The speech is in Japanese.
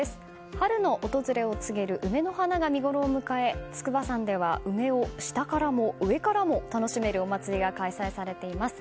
春の訪れを告げる梅の花が見ごろを迎え筑波山では梅を下からも上からも楽しめるお祭りが開催されています。